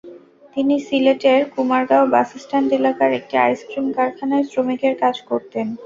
তিনি সিলেটের কুমারগাঁও বাসস্ট্যান্ড এলাকার একটি আইসক্রিম কারখানায় শ্রমিকের কাজ করতেন।